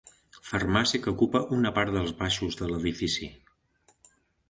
Farmàcia que ocupa una part dels baixos de l'edifici.